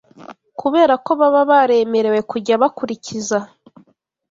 Kubera ko baba baremerewe kujya bakurikiza